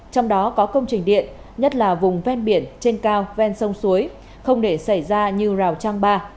trong đó có công trình điện nhất là vùng ven biển trên cao ven sông suối không để xảy ra như rào trang ba